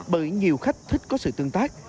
bởi nhiều khách thích có sự tương tác